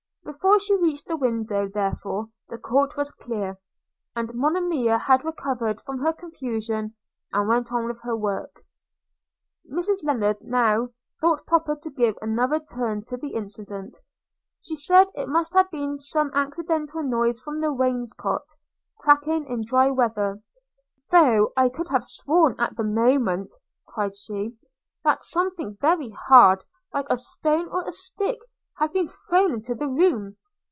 Before she reached the window, therefore, the court was clear; and Monimia had recovered from her confusion, and went on with her work. Mrs Lennard now thought proper to give another turn to the incident. She said, it must have been some accidental noise from the wainscot's cracking in dry weather – 'though I could have sworn at the moment,' cried she, 'that something very hard, like a stone or a stick, had been thrown into the room.